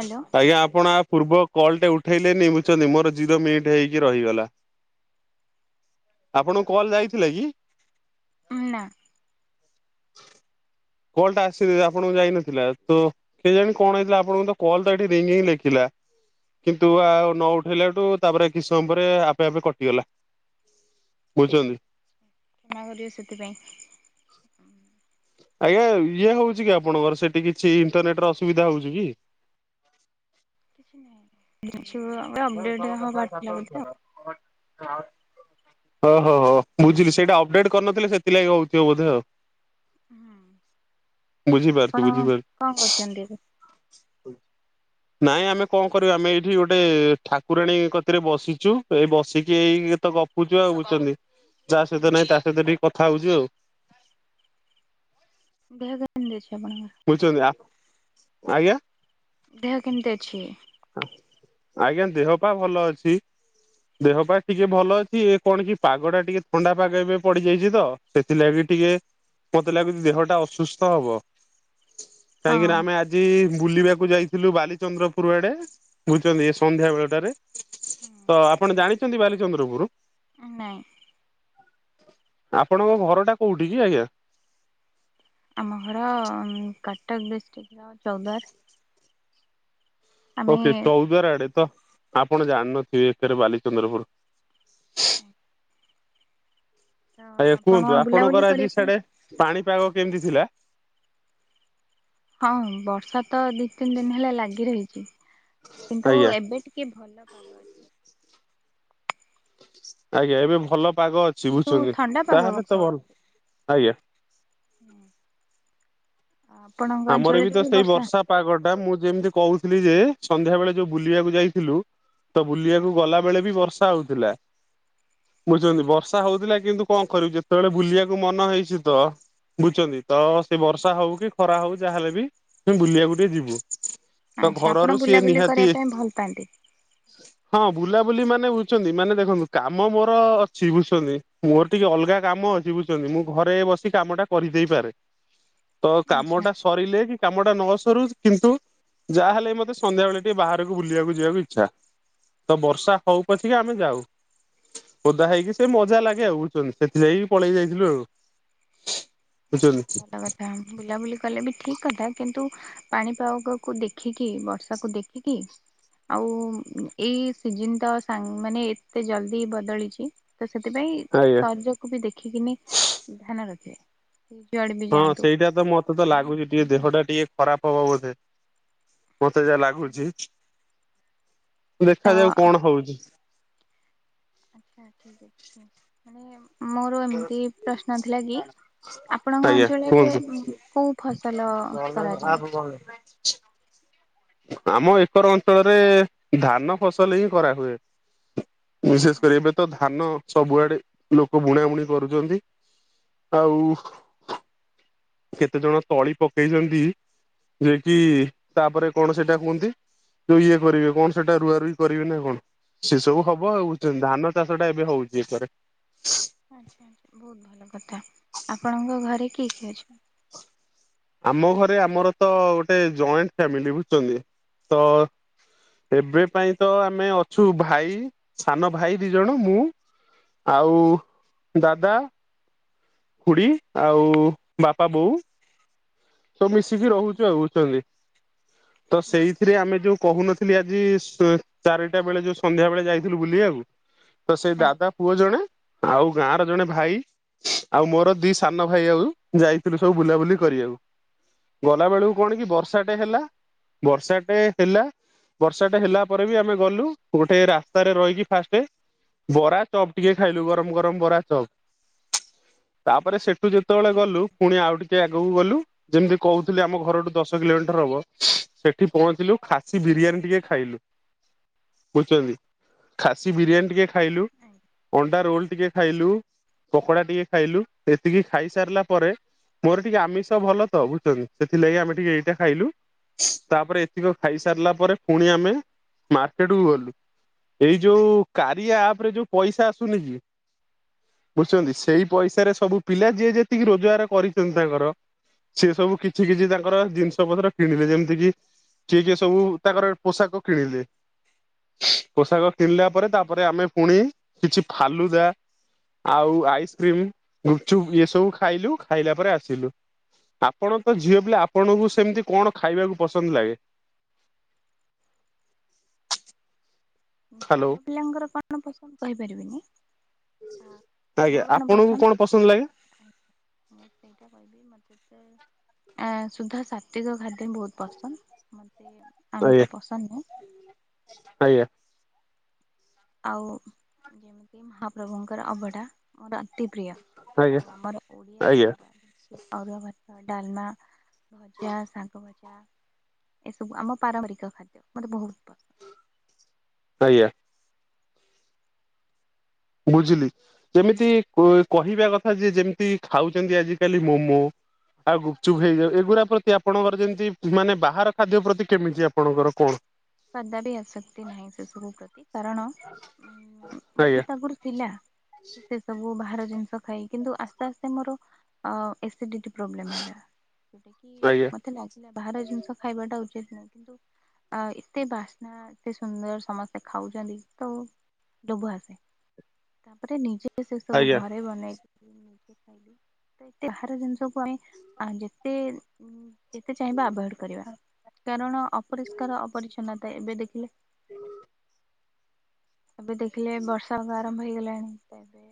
Hello. ଆଜ୍ଞା ଆପଣ ଆ ପୂର୍ବ କଲଟେ ଉଠେଇଲେନି ବୁଝୁଛନ୍ତି ମୋର ଜିରୋ ମିନିଟ୍ ହେଇକି ରହିଗଲା। ଆପଣଙ୍କୁ କଲ ଯାଇଥିଲା କି? ନା। କଲ୍ ଟା ଆସି ନେହିଁ ଆପଣଙ୍କୁ ଯାଇନଥିଲା ତ। କେଜାଣି କଣ ହେଇଚି ଆପଣଙ୍କ ତ କଲ ତ ଏଠି ରିଙ୍ଗିଙ୍ଗ୍ ଲେଖିଲା। କିନ୍ତୁ ଆଉ ନ ଉଠେଇଲାଠୁ ତାପରେ କିଛି ସମୟ ପରେ ଆପେ ଆପେ କଟିଗଲା। ବୁଝନ୍ତୁ। ନା କରିବେ ସେଥିପାଇଁ। ଆଜ୍ଞା ଇଏ ହେଉଛି କି ଆପଣଙ୍କର ସେଠି କିଛି ଇଣ୍ଟରନେଟ୍ ର ଅସୁବିଧା ହଉଛି କି? କିଛି ନାହିଁ ଯୋଉ ଅପଡେଟ୍ ହବାର ଥିଲା ବୋଧେ? ଓ ହୋ ହଁ, ବୁଝିଲି ସେଇଟା ଅପଡ଼େଟ୍ କରିନଥିଲି ସେଥିଲାଗି ହେଉଥିବ ବୋଧେ। ବୁଝିପାରୁଚି ବୁଝିପାରୁଚି। ଇଣ୍ଡେକୁ। ନାଇଁ ଆମେ କଣ କରିବୁ ଆମେ ଏଇଠି ଗୋଟେ ଠାକୁରାଣୀ କତିରେ ବସିଚୁ। ଏଇ ବସିକି ଏଇ ତ ଗପୁଚୁ ଆଉ ବୁଛନ୍ତି ଯାହା ସହିତ ନାଇଁ ତା ସହିତ ଟିକେ କଥା ହଉଚୁ ଆଉ। ଦେହ କେମିତିଅଛି ଆପଣଙ୍କର? ବୁଝଛନ୍ତି ଆ ଆଜ୍ଞା। ଦେହ କେମିତି ଅଛି? ଆଜ୍ଞା ଦେହ ପା ଭଲ ଅଛି। ଦେହ ପା ଟିକେ ଭଲ ଅଛି, ଏ କଣ କି ପାଗଟା ଟିକେ ଥଣ୍ଡା ପାଗ ଏବେ ପଡ଼ିଯାଇଛି ତ। ସେଥିଲାଗି ଟିକେ ମତେ ଲାଗୁଚି ଦେହ ଟା ଅସୁସ୍ଥ ହବ। କାହିଁକି ନା ହଁ। ଆମେ ଆଜି ବୁଲିବାକୁ ଯାଇଥିଲୁ ବାଲିଚନ୍ଦ୍ରପୁରୁ ଆଡେ। ବୁଝୁଛନ୍ତୁ ଏ ସନ୍ଧ୍ୟା ବେଳଟାରେ ତ ଆପଣ ଜାଣିଛନ୍ତି ବାଲିଚନ୍ଦ୍ରପୁରୁ? ନାଇ। ଆପଣଙ୍କ ଘରଟା କୋଉଠି କି ଆଜ୍ଞା? ଆମ ଘର କଟକ ଡିଷ୍ଟ୍ରିକ୍ଟର ଚୌଦାର। ଓକେ ଚଉଦାର ଆଡେ ତ ଆପଣ ଜାଣିନଥିବେ ଏଥିରେ ବାଲିଚନ୍ଦ୍ରପୁରୁ। [inaudible] ତ ଆଜ୍ଞା ଆପଣ କୁହନ୍ତୁ ବୁଲାବୁଲି ଆପଣଙ୍କର ଆଜି କରିବା ପାଇଁ ସିଆଡେ ପାଣିପାଗ କେମିତି ଥିଲା? ହଁ ବର୍ଷା ତ ଦିଇ ତିନି ଦିନି ହେଲା ଲାଗି ରହିଛି। କିନ୍ତୁ ଆଜ୍ଞା ଏବେ ଟିକେ ଭଲ ପାଗ ଆ ଛି। ଆଜ୍ଞା ଏବେ ଭଲ ପାଗ ଅଛି କିନ୍ତୁ ବୁଝୁଛନ୍ତି ଥଣ୍ଡା ପାଗ ତାହେଲେ ତ ଭଲ, ଆଜ୍ଞା। ହୁଁ, ଆପଣଙ୍କ ଆମର ତ ଅଞ୍ଚଳରେ ବି ସେଇ ବର୍ଷା ପାଗ ଟା, ମୁଁ ଯେମିତି କହୁଥିଲି ଯେ, ସନ୍ଧ୍ୟା ବେଳେ ଯୋଉ ବୁଲିବାକୁ ଯାଇଥିଲୁ ତ ବୁଲିବାକୁ ଗଲା ବେଳେ ବି, ବର୍ଷା ହଉଥିଲା। ବୁଝୁଚନ୍ତି, ବର୍ଷା ହଉଥିଲା କିନ୍ତୁ କଣ କରିବୁ? ଯେତେବେଳେ ବୁଲିବାକୁ ମନ ହେଇଚି ତ ବୁଝୁଚନ୍ତି, ତ ସେ ବର୍ଷା ହଉ, କି ଖରା ହଉ, ଯାହାହେଲେ ବି, ବୁଲିବାକୁ ଟିକେ ଯିବୁ। ତ, ଆଚ୍ଛା ଆପଣ ଘରରୁ ସିଏ ବୁଲାବୁଲି ନିହାତି କରିବା ପାଇଁ ଭଲ ପାଆନ୍ତି ହଁ ବୁଲାବୁଲି ମାନେ ବୁଝୁଚନ୍ତି, ମାନେ ଦେଖନ୍ତୁ, କାମ ମୋର ଅଛି, ବୁଝୁଚନ୍ତି, ମୋର ଟିକେ ଅଲଗା କାମ ଅଛି, ବୁୁଝୁ ବୁଝୁଚନ୍ତି, ମୁଁ ଘରେ ବସି କାମଟା କରିଦେଇପାରେ। କାମ ଆଚ୍ଛା। ଟା ସରିଲେ ହି କାମ ଟା ନ ସରୁ କିନ୍ତୁ, ଯାହା ହେଲେ ମତେ ସନ୍ଧ୍ୟା ବେଳେ ଟିକେ ବାହାରକୁ ବୁଲିବାକୁ ଯିବାକୁ ଇଛା। ତ ବର୍ଷା ହଉ ପଛିକା ଆମେ ଯାଉ। ଓଦା ହେଇକି, ସେ ମଜା ଲାଗେ ଆଉ, ବୁଝଚନ୍ତି, ସେଥିଲାଗି ପଳେଇ ଯାଇଥିଲୁ ଆଉ। ବୁଝୁଛନ୍ତି। ବହୁତ ଭଲ କଥା, ବୁଲାବୁଲି କଲେ ବି ଠିକ କଥା, କିନ୍ତୁ ପାଣିପାଗ କୁ ଦେଖିକି, ବର୍ଷାକୁୁ ଦେଖିକି ଆଉ ଏଇ ସିଜନ୍ ତ, ସା ମାନେ ଏତେ ଜଲଦି ବଦଳିଚି ତ ସେଥିପାଇଁ, ଆଜ୍ଞା ଶରିରକୁ ବି ଦେଖିକିନି, ଧ୍ୟାନ ରଖିବେ। ଯୁଆଡେ ବି ହଉ ହଁ, ସେଇଟା ତ ମତେ ତ ଲାଗୁଚି ଟିକେ, ଦେହ ଟା ଟିକେ ଖରାପ ହବ ବୋଧେ। ମତେ ଯା ଲାଗୁଚି, ତ ଦେଖାଯାଉ କଣ ହଉଚି? ଆଛା ଠିକ ଅଛି, ମାନେ ମୋର ଏମିତି ପ୍ରଶ୍ନ ଥିଲା କି ଆପଣଙ୍କ ଆଜ୍ଞା ଅଞ୍ଚଳରେ କୁହନ୍ତୁ କୋଉ ଫସଲ କରାଯାଏ? ଆମ ଏକର ଅଞ୍ଚଳରେ, ଧାନ ଫସଲ ହିଁ କରାହୁଏ। ବିଶେଷ କରି ଏବେ ତ, ଧାନ ସବୁଆଡେ, ଲୋକ ବୁଣା ବୁଣିବୁଣି କରୁଚନ୍ତି। ଆଉ କେତେ ଜଣ ତଳି ପକେଇଚନ୍ତି, ଯିଏ କି ତାପରେ କଣ ସେଇଟା କୁହନ୍ତି, ଯୋଉ ଇଏ କରିବେ, କଣ ସେଇଟା ରୁଆ ରୁଇ କରିବେ ନା କଣ? ସେ ସବୁ ହବ ଆଉ, ଧାନ ଚାଷ ଟା ଏବେ ହଉଚି ଏକରେ। ଆଛା, ବହୁତ ଭଲ କଥା, ଆପଣଙ୍କ ଘରେ କିଏ କିଏ ଅଛନ୍ତି? ଆମ ଘରେ, ଆମର ତ ଗୋଟେ ଜଏଣ୍ଟ ଫ୍ୟାମିଲି, ବୁଝୁଚନ୍ତି? ତ ଏବେ ପାଇଁ ତ ଆମେ ଅଛୁ ଭାଇ, ସାନ ଭାଇ ଦିଜଣ ମୁଁ ଆଉ, ଦାଦା ଖୁଡି, ଆଉ ବାପା ବୋଉ ତ ମିଶିକି ରହୁଛୁ ଆଉ, ବୁଝୁଚନ୍ତି, ତ ସେଇଥିରେ ଆମେ ଯୋଉ କହୁନ ନଥିଲି ଆଜି, ଚାରିଟା ବେଳେ ଯୋଉ ସନ୍ଧ୍ୟା ବେଳେ ଯାଇଥିଲୁ ବୁଲିବାକୁ ତ ସେଇ ଆଜ୍ଞା ଦାଦା ପୁଅ ଜଣେ, ଆଉ ଗାଁ ର ଜଣେ ଭାଇ ଆଉ ମୋର ଦି ସାନ ଭାଇ ଆଉ, ଯାଇଥିଲୁ ସବୁ ବୁଲାବୁଲି କରିବାକୁ। ଗଲା ବେଳକୁ କଣ କି ବର୍ଷାଟେ ହେଲା, ବର୍ଷାଟେ ହେଲା ବର୍ଷାଟା ହେଲା ପରେ ବି, ଆମେ ଗଲୁ, ଗୋଟେ ରାସ୍ତାରେ ରହିକି ଫାଷ୍ଟେ ବରା ଚପ୍ ଟିକେ ଖାଇଲୁ, ଗରମ ଗରମ ବରା ଚପ୍, ତାପରେ ସେ ସେଠୁ ଯେତେବେଳେ ହୁଁ ଗଲୁ, ପୁଣି ଆଉ ଟିକେ ଆଗକୁ ଗଲୁ ଯେମିତି କହୁଥିଲି ଆମ ଘରଠୁ ଦଶ କିଲୋମିଟର ହବ, ସେଠି ପହଞ୍ଚିଲୁ, ଖାସି ବିରିୟାନୀ ଟିକେ ଖାଇଲୁ। ବୁଝୁଚନ୍ତି, ଖାସି ବିରିୟାନୀ ଟିକେ ଖାଇଲୁ, ଅଣ୍ଡା ରୋଲ ଟିକେ ଖାଇଲୁ, ପକୋଡା ଟିକେ ଖାଇଲୁ, ଏତିକି ଖାଇସାରିଲା ପରେ ମୋର ଟିକେ ଆମିଷ ଭଲ ତ ବୁଝୁଚନ୍ତି, ସେଥିଲାଗି ଆମେ ଟିକେ ଏଇଟା ଖାଇଲୁ। ତାପରେ ଏତିକ ଖାଇସାରିଲା ପରେ ପୁଣି ଆମେ, ମାର୍କେଟ କୁ ଗଲୁ। ଏଇ ଯୋଉ କାରିଆ ଆପ ରେ ଯୋଉ ପଇସା ଆସୁନି କି ବୁଝୁଛନ୍ତି ସେଇ ପଇସାରେ ସବୁ ପିଲା ଯିଏ ଯେତିକି ରୋଜଗାର କରିଛନ୍ତି ତାଙ୍କର ସିଏ ସବୁ କିଛି କିଛି ତାଙ୍କର ଜିନିଷ ପତ୍ର କିଣିଲେ ଯେମିତି କି ଚିଏ କିଏ ସବୁ ତାଙ୍କର ପୋଷାକ କିଣିଲେ। ପୋଷାକ କିଣିଲା ପରେ ତାପରେ ଆମେ ପୁଣି କିଛି ଫାଲୁଦା ଆଉ ଆଇସ୍କ୍ରିମ୍, ଗୁପଚୁପ୍ ଇଏ ସବୁ ଖାଇଲୁ ଖାଇଲା ପରେ ଆସିଲୁ। ଆପଣ ତ ଝିଅ ପିଲା ଆପଣଙ୍କୁ ସେମିତି କଣ ଖାଇବାକୁ ପସନ୍ଦ ଲାଗେ? ହ୍ୟାଲୋ ଝିଅ ପିଲାଙ୍କର କଣ ପସନ୍ଦ କହିପାରିବିନି। ହଁ ଆଜ୍ଞା ମୋର କଣ ଆପଣଙ୍କୁ ପସନ୍ଦ ଲାଗେ? ଆଇ ମୁଁ ସେଇଟା କହିବି। ମତେ ତେ ଏଁ ଶୁଦ୍ଧ ସତ୍ବୀକ ଖାଦ୍ୟ ବୋହୁତ ପସନ୍ଦ ମତେ ଆମିଷ ପସନ୍ଦ ନାହିଁ? ଆଇଆ। ଆଉ ଯେମିତି ମହାପ୍ରଭୁଙ୍କର ଅବଢ଼ା ମୋର ଅତି ପ୍ରିୟ। ଆଜ୍ଞା ଆଉ ଆମର ଆଜ୍ଞା ଓଡ଼ିଆ ୋଖାଇବା ଦେ ଅରୁଆ ଭାତ, ଡାଲମା, ଭଜା, ଶାଗ ଭଜା ଏସବୁ ଆମ ପାରପରିକ ଖାଦ୍ୟ ମତେ ବହୁତ ପସନ୍ଦ। ଆଇଆ। ବୁଝିଲି। ଯେମିତି କୁ କହିବା କଥା ଯେ ଯେମିତି ଖାଉଚନ୍ତି ଆଜି କାଲି ମୋମୋ ଆଉ ଗୁପଚୁପ୍ ହେଇ ଯାଉ ଏଗୁରା ପ୍ରତି ଆପଣଙ୍କର ଯେମିତି ମାନେ ବାହାର ଖାଦ୍ୟ ପ୍ରତି କେମିତି ଆପଣଙ୍କର କଣ? କଦାବି ଆସକ୍ତି ନାହିଁ ସେ ସବୁ ପ୍ରତି। କାରଣ ଉଁ ଆଜ୍ଞା ବହୁତ୍ ଆଗୁରୁ ଥିଲା। ଏ ସେସବୁ ବାହାର ଜିନିଷ ଖାଇ କିନ୍ତୁ ଆସ୍ତେ ଆସ୍ତେ ମୋର ଅ ଏସିଡି଼ଟି ପ୍ରୋବ୍ଲେମ୍ ହେଲା ସେଟାକି ଆଜ୍ଞା ମତେ ଲା ଇଲା ବାହାର ଜିନିଷ ଖାଇବାଟା ଉଚିତ ନୁହେଁ କିନ୍ତୁ ଆ ଏ ତେ ବାସ୍ନା ଏତେ ସୁନ୍ଦର ସମସ୍ତେ ଖାଉଚନ୍ତି ତ ଡୋଭ ଆସେ। ତାପରେ ନିଜେ ସେ ସବୁ ଆଜ୍ଞା ଘରେ ବନେଇକିରି ନିଜେ ଖାଇଦିଏ। ବାହାର ଜିନିଷକୁ ଆମେ ଆଁ ଯେତେ ଯେତେ ଚାହିଁବା ଆଭଏଡ଼ କରିବା କାରଣ ଅପରିଷ୍କାର ଅପରିଚ୍ଛନ୍ନତା ଏବେ ଦେଖିଲେ [inaudible] ଏବେ ଦେଖିଲେ ବର୍ଷା ତ ଆରମ୍ଭ ହେଇଗଲାଣି ତ ଏବେ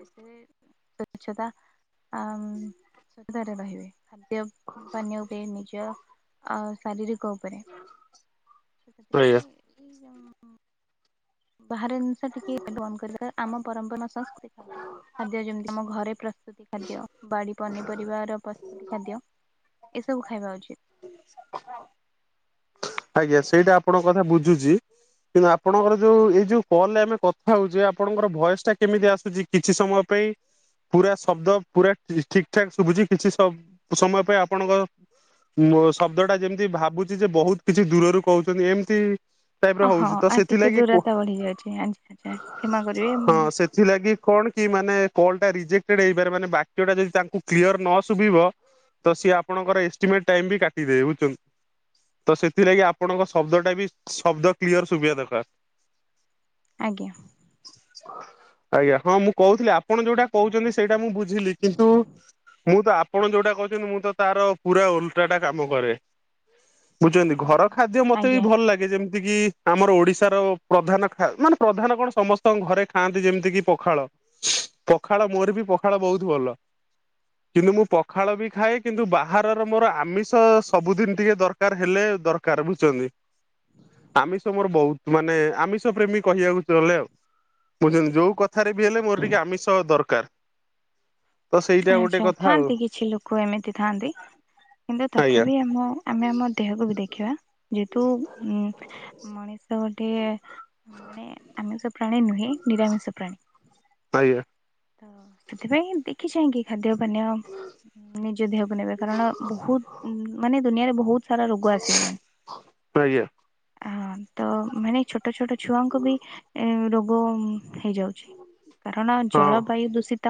ଯେତେ ସ୍ବଚ୍ଛତା ଆମ୍ ସେତେରେ ରହିବେ। ଖାଦ୍ୟ ପାନୀୟ ବି ନିଜ ଅ ଶାରୀରି କ ଓପରେ ତ ଆଜ୍ଞା ସେଥିପାଇଁ ଏଇ ଯଉ ବାହାର ଜିନିଷ ଟିକେ ବନ୍ଦ କରି କାର ଆମ ପରମ୍ପ ମ ସଂସ୍କୃ ଖାଦ୍ୟ ଖାଦ୍ୟ ଯେମିତି ଆମ ଘରେ ପ୍ର ସୁତି ଖାଦ୍ୟ ବାଡ଼ି ପନିପରିବାର ପସ୍ତୁତି ଖାଦ୍ୟ ଏସବୁ ଖାଇବା ଉଚି ସ ସ ଆଉ ଆଜ୍ଞା ସେଇଟା ଆପଣଙ୍କ କଥା ବୁଝୁଚି। କିନ୍ତୁ ଆପଣଙ୍କର ଯୋଉ ଏଇ ଯୋଉ କଲ୍ ରେ ଆମେ କଥା ହଉଚେ ଆପଣଙ୍କର ଭଏସ୍ ଟା କେମିତି ଆସୁଚି? କିଛି ସମୟ ପେଇଁ ପୁରା ଶବ୍ଦ ପୁରା ଠି ଠିକ୍ ଠାକ୍ ଶୁବୁଚି କିଛି ସ ସମୟ ପାଇଁ ଆପଣଙ୍କ ମୋ ଶବ୍ଦଟା ଯେମତି ଭାବୁଚି ଯେ ବହୁତ କିଛି ଦୂରରୁ କହୁଚନ୍ତି ଏମତି ଟାଇପ୍ ର ଓହଁ ହଉଚି ତ ଆଉ ଟିକେ ସେଥିଲାଗି କୋ ଦୂରତା ବଢି ଯାଉଛି ଆଚ୍ଛା ଆଚ୍ଛା କ୍ଷମା କରିବେ ହଁ ସେ ଥିଲାଗି କଣ କି ମାନେ କଲ୍ ଟା ରିଜେକ୍ଟେଡ଼ ହେଇପାରେ ମାନେ ବାକ୍ୟଟା ଯଦି ତାଙ୍କୁ କ୍ଲିଅର ନ ଶୁଭିବ ତ ସିଏ ଆପଣଙ୍କର ଏଷ୍ଟିମେଟ୍ ଟାଇମ୍ ବି କାଟିଦେବେ ବୁଝୁଚଁ? ତ ସେଥିଲାଗି ଆପଣଙ୍କ ଶବ୍ଦଟା ବି ଶବ୍ଦ କ୍ଲିୟର ଶୁଭିବା ଦକା ଆଜ୍ଞା। ଆଜ୍ଞା ହଁ ମୁଁ କହୁଥିଲି ଆପଣ ଯୋଉଟା କହୁଛନ୍ତି ସେଇଟା ମୁଁ ବୁଝ ବୁଝିଲି କିନ୍ତୁ ମୁଁ ତ ଆପଣ ଯୋଉଟା କଛନ୍ତି ମୁଁ ତ ତାର ପୁରା ଓଲଟାଟା କାମ କରେ। ବୁଝଛନ୍ତି ଘର ଖାଦ୍ୟ ମତେ ବି ଆଜ୍ଞା ଭଲ ଲାଗେ ଯେମିତି କିି ଆମର ଓଡିଶାର ପ୍ରଧାନ ମାନେ ପ୍ରଧାନ କଣ ସମସ୍ତଙ୍କ ଘରେ ଖାଆନ୍ତି ଯେମିତି କିି ପଖାଳ। ସୁ ପଖାଳ ମୋର ବି ପଖାଳ ବହୁତ ଭଲ। କିନ୍ତୁ ମୁଁ ପଖାଳ ବି ଖାଏ କିନ୍ତୁ ବାହାରର ମୋର ଆମିଷ ସବୁଦିନ ଟିକେ ଦର ଦରକାର ହେଲେ ଦରକାର ବୁଝଛନ୍ତି ଆମିଷ ମୋର ବହୁତ ମାନେ ଆମିଷ ପ୍ରେମୀ କହିବାକୁ ଚାଲେ ଆଉ ମୁଁ ଯୋଉ କଥା ଏଥାରେ ବି ହେଲେ ମୋର ଟିକେ ଆମିଷ ଦରକାର। ତ ସେଇଟା ଗୋଟେ ଆଚ୍ଛା କଥା ଆଉ। ଥାଆନ୍ତି କିଛି ଲୋକ ଏମିତି ଥାଆନ୍ତି କିନ୍ତୁ ଆଜ୍ଞା ତଥାପି ଆମ ଆମେ ଆମ ଦେହକୁ ବି ଦେଖିବା ଯେହେତୁ ଉ ମଣିଷ ଗୋଟେ ମାନେ ଆମିଷ ପ୍ରାଣୀ ନୁହେଁ ନିରାମିଷ ପ୍ରାଣୀ। ଆଜ୍ଞା। ତ ସେଥିପାଇଁ ଦେଖି ଚାହିଁ କି ଖାଦ୍ୟ ପାନୀୟ ନିଜ ଦେହକୁ ନେବେ କାରଣ ବହୁତ ମାନେ ଦୁନିଆରେ ବହୁତ ସାରା ରୋଗ ଆସିଗଲାଣି। ଆଜ୍ଞା ହ ତ ମାନେ ଛୋଟ ଛୋଟ ଛୁଆଙ୍କୁ ବି ଏ ରୋଗ ହେଇଯାଉ କାରଣ ହଁ ଜଳବାୟୁ ଦୂଷିତ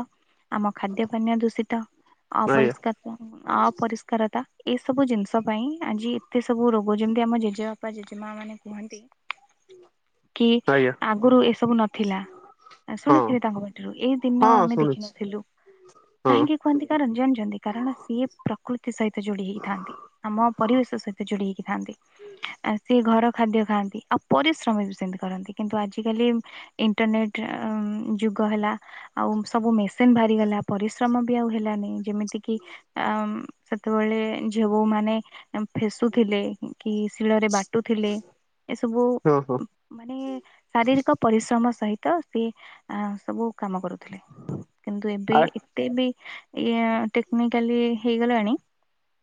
ଆମ ଖାଦ୍ୟ ପାନୀୟ ଦୂଷିତ ଆଜ୍ଞା ଅପରିଷ୍କାର ଅପରିଷ୍କାରତା ଏସବୁ ଜିନିଷ ପାଇଁ ଆଜି ଏତେ ସବୁ ରୋଗ ଯେମିତି ଆମ ଜେଜେବା ଜେଜେମା ମାନେ କୁହନ୍ତି ହ [unintelligible] କି ଆଗରୁ ଏସବୁ ନଥିଲା। ହଁ ଶୁଣିଥିବେ ତାଙ୍କ ପାଟିରୁ ଏଇ ଦିନ ହଁ ଆମେ ଶୁଣିଛି ଦେଖିନଥିଲୁ। ହଁ [unintelligible] କାହିଁକି କୁହନ୍ତି ଜାଣିଛନ୍ତି କାରଣ ସିଏ ପ୍ରକୃତି ସହିତ ଯୋଡି ହେଇଥାନ୍ତି। ଆମ ପରିବେଶ ସହିତ ଯୋଡି ହେଇକି ଥାନ୍ତି। ଆସି ଘର ଖାଦ୍ୟ ଖାଆନ୍ତି ଆଉ ପରିଶ୍ରମୀ ବି ସେମିତି କରନ୍ତି କିନ୍ତୁ ଆଜିିକାଲି ଇଣ୍ଟରନେଟ ଯୁଗହେଲା ଆଉ ସବୁ ମେସିନ୍ ପରିଶ୍ରମ ବି ଆଉ ହେଲାନି ଯେମିତି କି ସେତେବେଳେ ଝିଅ ବୋଉ ମାନେ ଫେସୁଥିଲେ କି ଶିଳରେ ବାଟୁଥିଲେ ଏସବୁ ହଁ ହଁ ମାନେ ଶାରୀରିକ ପରିଶ୍ରମ ସହିତ ସେ ସବୁ କାମ କରୁଥିଲେ। କିନ୍ତୁ ଏବେ ଆ ଏତେ ବି ଇ ଟେକ୍ନିକାଲି ହେଇଗଲାଣି।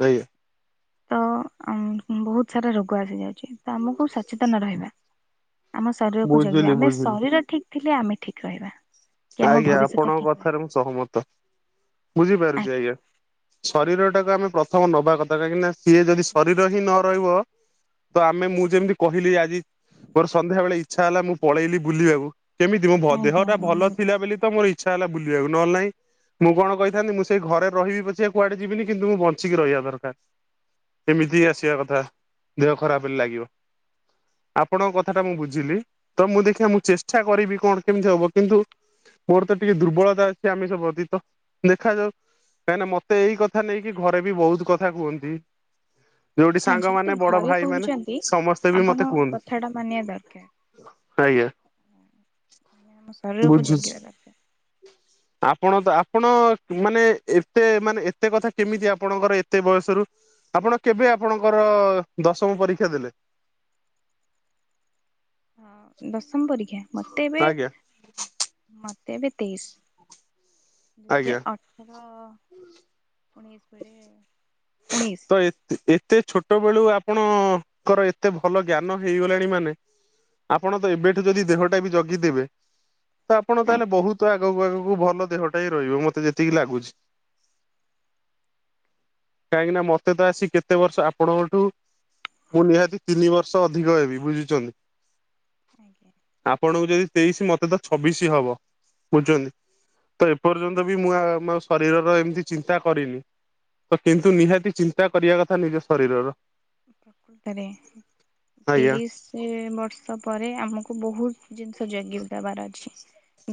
ଆଜ୍ଞା। ତ ବହୁତ ସାରା ରୋଗ ଆସିଯାଇଛି। [unintelligible] ଆମକୁ ସଚେତନ ରହିବା ଆମ ଶରୀରକୁ ଜଗିବା ବୁଝିଲି ଆମେ ବୁଝିଲି ଶରୀର ଠିକ୍ ଥିଲେ ଆମେ ଠିକ୍ ରହିବା କି ଆମ ଆଜ୍ଞା ଭବିଷ୍ୟତ ଆପଣଙ୍କ ଠିକ୍ ରହିବ। କଥାରେ ମୁଁ ସହମତ ବୁଝିପାରୁଛି ଆଜ୍ଞା। ଶରୀରଟାକୁ ଆମେ ପ୍ରଥମ ନବା କଥା କାହିଁକିନା ସିଏ ଯଦି ଆଜ୍ଞା ଶରୀର ହିଁ ନ ରହିବ। ତ ଆମେ ମୁଁ ଯେମିତି କହିଲି ଆଜି ମୋର ସନ୍ଧ୍ୟାବେଳେ ଇଛା ହେଲା ମୁଁ ପଳେଇଲି ବୁଲିବାକୁ କେମିତି ମୋ ବ ଦେହ ଆଜ୍ଞା ଟା ମୁଁ ଭଲ ଭୁଲ କଲି। ଥିଲା ବୋଲି ତ ମୋର ଇଚ୍ଛା ହେଲା ବୁଲିବାକୁ ନହେଲେ ନାଇଁ। ମୁଁ କଣ କହିଥାନ୍ତି ମୁଁ ସେଇ ଘରେ ରହିବି ପଛେ କୁଆଡେ ଯିବିନି କିନ୍ତୁ ମୁଁ ବଞ୍ଚିକି ରହିବା ଦରକାର। ଏମିତି ଆସିବା କଥା ଦେହ ଖରାପ ହେଲେ ଲାଗିବ। ଆପଣଙ୍କ କଥା ଟା ମୁଁ ବୁଝିଲି ତ ମୁଁ ଦେଖିବା ମୁଁ ଚେଷ୍ଟା କରିବି କଣ କେମିତି ହବ କିନ୍ତୁ ମୋର ତ ଟିକେ ଦୁର୍ବଳତା ଅଛି ଆମିଷ ପ୍ରତି ତ ଦେଖାଯାଉ କାହିଁକିନା ମୋତେ ଏଇ କଥା ନେଇକି ଘରେ ବି ବହୁତ କଥା କୁହନ୍ତି। ଯୋଉଠି ହଁ ଯେହେତୁ ସାଙ୍ଗମାନେ ବଡ଼ ଘରେ ଭାଇମାନେ କହୁଛନ୍ତି ସମସ୍ତେ ବି ଆପଣ ମତେ କଥାଟା ମାନିବା ଦରକାର। କୁହନ୍ତି। ଆଜ୍ଞା। [unintelligible] ଜଗିବା ବୁଝୁଛି। ଦରକାର। ଆପଣ ତ ଆପଣ ମାନେ ଏତେ ମାନେ ଏତେ କଥା କେମିତି ଆପଣଙ୍କର ଏତେ ବୟସରୁ ଆପଣ କେବେ ଆପଣଙ୍କର ଦଶମ ପରୀକ୍ଷା ଦେଲେ? ହଁ ଦଶମ ପରୀକ୍ଷା ମୋତେ ଏବେ ଆଜ୍ଞା ମତେ ଏବେ ତେଇଶି ଦୁଇ ହଁ ଆଜ୍ଞା ଅ [unintelligible] ଉଣେଇଶ ପରେ ଉଣେଇଶ। ତ ଏତେ ଏତେ ଛୋଟ ବେଳୁ ଆପଣଙ୍କର ଏତେ ଭଲ ଜ୍ଞାନ ହେଇଗଲାଣି ମାନେ ଆପଣ ତ ଏବେଠୁ ଯଦି ଦେହଟା ବି ଜଗିଦେବେ ତ ଆପଣ ତାହେଲେ ଆଜ୍ଞା ବହୁତ ଆଗକୁ ଆଗକୁ ଭଲ ଦେହଟା ହି ରହିବ ମତେ ଯେତିକି ଲାଗୁଛି। କାହିଁକି ନା ମୋତେ ତ ଆସି କେତେ ବର୍ଷ ଆପଣଙ୍କଠୁ ମୁଁ ନିହାତି ତିନି ବର୍ଷ ଅଧିକ ହେବି ବୁଝୁଛନ୍ତି। ଆଜ୍ଞା। ଆପଣଙ୍କୁ ଯଦି ତେଇଶି ମତେ ତ ଛବିଶି ହବ ବୁଝୁଛନ୍ତି। ତ ଏପର୍ଯ୍ୟନ୍ତ ବି ମୁଁ ଆ ମୋ ଶରୀରର ଏମିତି ଚିନ୍ତା କରିନି। ତ କିନ୍ତୁ ନିହାତି ଚିନ୍ତା କରିବା କଥା ନିଜ ଶରୀରର। ପ୍ରକୃତରେ ଆଜ୍ଞା ତିରିସି ବର୍ଷ ପରେ ଆମକୁ ବହୁ ଜିନିଷ ଜାଗି ଦେବାର ଅଛି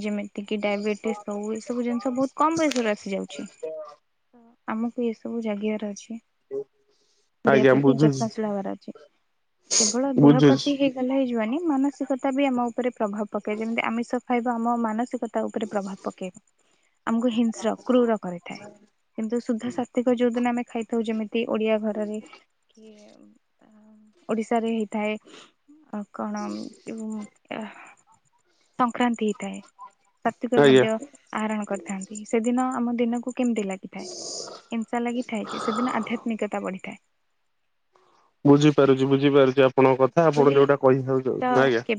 ଯେମିତି କି ଡାଇବେଟିସ୍ ହଉ ଏ ସବୁ ଜିନିଷ ବହୁତ କମ ବୟସରୁ ଆସି ଯାଉଛି ତ ଆମକୁ ଏ ସବୁ ଜାଗିବାର ଅଛି। ଦେହ ଆଜ୍ଞା ପ୍ରତି ବୁଝୁଛି। ଯତ୍ନଶୀଳ ହେବାର ଅଛି କେବଳ ଦେହ ବୁଝୁଛି ପ୍ରତି ହେ ଭଲ ହେଇଯିବାନି ମାନସିକତା ବି ଆମ ଉପରେ ପ୍ରଭାବ ପକାଏ ଯେମିତି ଆମିଷ ଖାଇବା ଆମ ମାନସିକ ତା ଉପରେ ପ୍ରଭାବ ପକେଇବ ଆମକୁ ହିଂସ୍ର କ୍ରୁର କରେଇଥାଏ। କିନ୍ତୁ ଶୁଦ୍ଧ ସାତ୍ତ୍ୱିକ ଯୋଉ ଦିନ ଆମେ ଖାଇଥାଉ ଯେମିତି ଓଡ଼ିଆ ଘରରେ କିଏ ଆଁ ଓଡ଼ିଶାରେ ହେଇଥାଏ କଣ ଉଁ? ଆହ୍ ସଂକ୍ରାନ୍ତି ହେଇଥାଏ ସାତ୍ତ୍ୱିକ ଆଜ୍ଞା ଖାଦ୍ୟ ଆହରଣ କରିଥାନ୍ତି ସେଦିନ ଆମ ଦିନକୁ କେମିତି ଲାଗିଥାଏ ହିଂସା ଲାଗିଥାଏ କି ସେଦିନ ଆଧ୍ୟାତ୍ମିକତା ବଢ଼ିଥାଏ। ବୁଝିପାରୁଛି ବୁଝିପାରୁଛି ଆପଣଙ୍କ କଥା ଆପଣ ସେଭଳି ଯୋଉଟା କହିବାକୁ କିଛିତ ଚାହୁଁ ଆଜ୍ଞା। କେବେ